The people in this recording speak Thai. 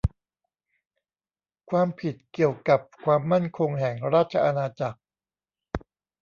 ความผิดเกี่ยวกับความมั่นคงแห่งราชอาณาจักร